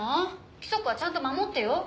規則はちゃんと守ってよ。